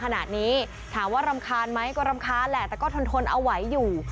ขนาดนี้ถามว่ารำคาญมั้ยก็รำคาญและแต่ก็ทนเอาไหวอยู่